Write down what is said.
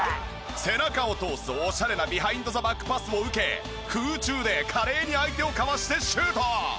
背中を通すオシャレなビハインド・ザ・バックパスを受け空中で華麗に相手をかわしてシュート！